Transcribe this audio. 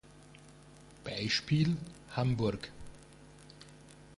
Beispiel: Hamburg.